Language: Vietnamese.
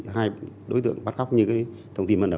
hai đối tượng bắt góc như cái thông tin ban đầu